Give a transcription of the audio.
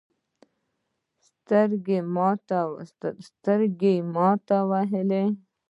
سترګې مه راته وهه.